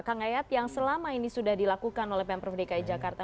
kang ayat yang selama ini sudah dilakukan oleh pemprov dki jakarta